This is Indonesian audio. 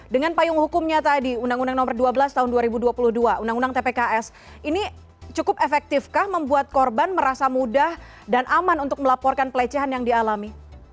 dengan payung hukumnya tadi undang undang nomor dua belas tahun dua ribu dua puluh dua undang undang tpks ini cukup efektifkah membuat korban merasa mudah dan aman untuk melaporkan pelecehan yang dialami